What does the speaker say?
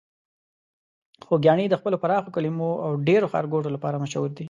خوږیاڼي د خپلو پراخو کليو او ډیرو ښارګوټو لپاره مشهور ده.